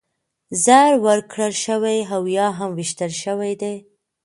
زهر ورکړل شوي او یا هم ویشتل شوي دي